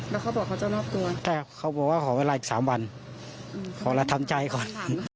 แล้วเขาบอกเขาจะมอบตัวแต่เขาบอกว่าขอเวลาอีก๓วันขอละทำใจก่อน